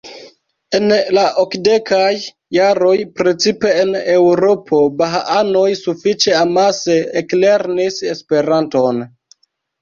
En la okdekaj jaroj precipe en Eŭropo bahaanoj sufiĉe amase eklernis Esperanton.